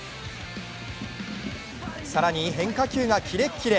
更に変化球がキレッキレ。